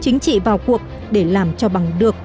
chính trị vào cuộc để làm cho bằng được